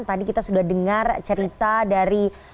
tadi kita sudah dengar cerita dari